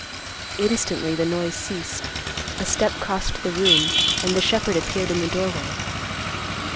Instantly the noise ceased; a step crossed the room; and the shepherd appeared in the doorway.